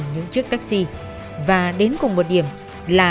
những chiếc taxi và đến cùng một điểm là